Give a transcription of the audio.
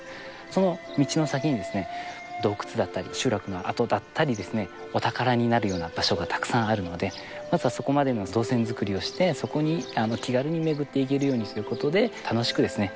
その道の先にですね洞窟だったり集落の跡だったりですねお宝になるような場所がたくさんあるのでまずはそこまでの動線づくりをしてそこに気軽に巡っていけるようにすることで楽しくですね